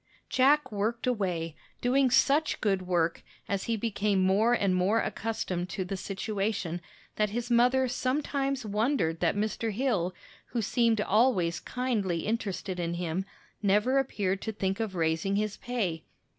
Jack worked away, doing such good work, as he became more and more accustomed to the situation, that his mother sometimes wondered that Mr. Hill, who seemed always kindly interested in him, never appeared to think of raising his pay.